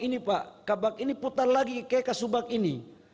ini kabar ini pak kabar ini putar lagi ke kasubar ini